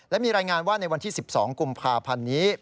และมีรายงานว่าในวันที่๑๒กุมภาพันธ์นี้